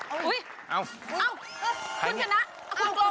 มาแล้วเฮ้ยคุณกล่องอุ้ยอ้าวคุณชนะอ้าวคุณกล่อง